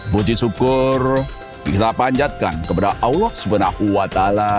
puji syukur kita panjatkan kepada allah swt